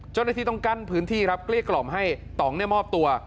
เจ้าหน้าที่ต้องกั้นพื้นที่ครับเกลี้ยกล่อมให้ต่องมอบตัว